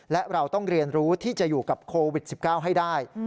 และเราต้องเรียนรู้ที่จะอยู่กับโควิด๑๙ให้ได้